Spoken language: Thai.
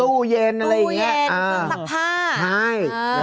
ตู้เย็นสักผ้า